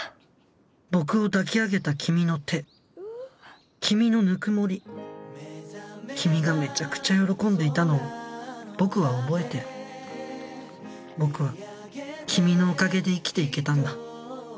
僕を抱き上げた君の手君の温もり君がめちゃくちゃ喜んでいたのを僕は覚えてる僕は君のおかげで生きていけたんだ